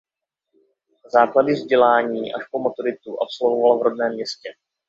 Základy vzdělání až po maturitu absolvoval v rodném městě.